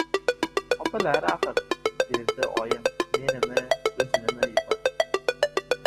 Topilar axir, — derdi oyim menimi, o‘zinimi yupatib.